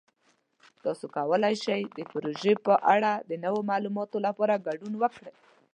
تاسو کولی شئ د پروژې په اړه د نورو معلوماتو لپاره ګډون وکړئ.